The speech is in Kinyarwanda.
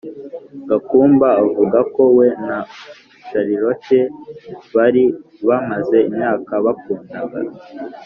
gakumba avuga ko we na charlotte bari bamaze imyaka bakundaga